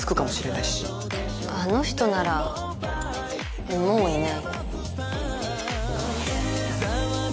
あの人ならもういない。